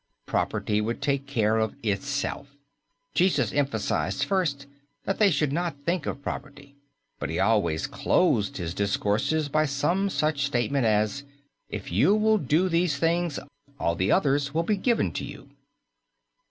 Property would take care of itself. Jesus emphasized, first, that they should not think of property; but He always closed His discourses by some such statement as this: "If you will do these things, all of the others will be given to you."